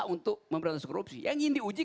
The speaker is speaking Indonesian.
untuk memberantasan korupsi yang ingin diuji